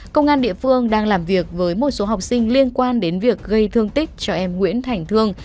công an địa phương đang làm việc với một số học sinh liên quan đến việc gây thương tích cho em nguyễn thành thương